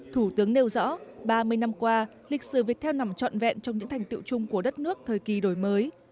thủ tướng nêu rõ ba mươi năm qua lịch sử việt theo nằm trọn vẹn trong những thành tiệu chung của đất nước thời kỳ đổi mới